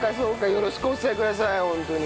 よろしくお伝えくださいホントに。